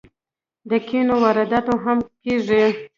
د کینو واردات هم کیږي.